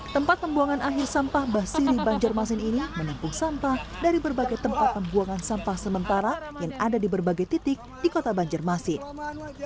tempat pembuangan akhir sampah basiri banjarmasin ini menempuh sampah dari berbagai tempat pembuangan sampah sementara yang ada di berbagai titik di kota banjarmasin